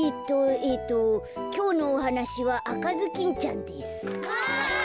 えっときょうのおはなしは「あかずきんちゃん」です。わ。